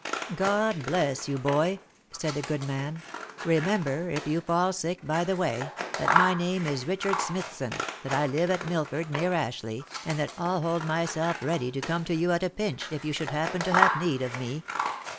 " God bless you, boy!" said the good man. " Remember, if you fall sick by the way,' that my name is Richard Smithson, that I live at Mil ford, near Ashleigh, and that I'll hold myself ready to come to OF MICHAEL ARMSTRONG. 321 you at a pinch, if you should happen to have need of me.